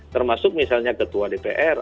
termasuk misalnya ketua dpr